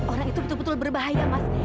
orang itu betul betul berbahaya mas